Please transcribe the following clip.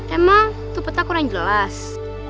emang tuh peta kurang jelas